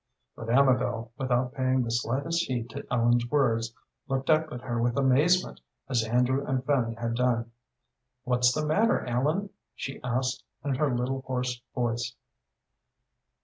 But Amabel, without paying the slightest heed to Ellen's words, looked up at her with amazement, as Andrew and Fanny had done. "What's the matter, Ellen?" she asked, in her little, hoarse voice.